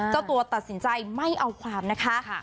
เจ้าตัวตัดสินใจไม่เอาความนะคะ